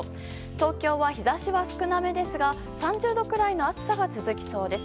東京は、日差しは少なめですが３０度くらいの暑さが続きそうです。